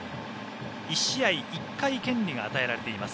１試合１回権利が与えられています。